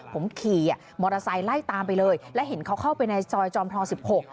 ผมขี่มอเตอร์ไซค์ไล่ตามไปเลยและเห็นเขาเข้าไปในซอยจอมทองสิบหก